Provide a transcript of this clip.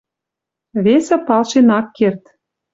Весӹ палшен ак керд